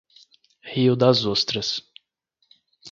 Rio das Ostras